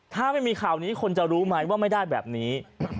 ถ้าไม่มีข่าวนี้คนจะรู้ไหมว่าไม่ได้แบบนี้